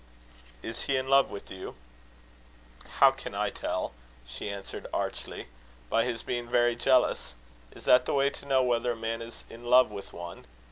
"Is he in love with you?" "How can I tell?" she answered archly. "By his being very jealous? Is that the way to know whether a man is in love with one?